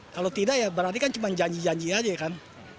kalau tidak ya berarti kan cuma janji janji aja kan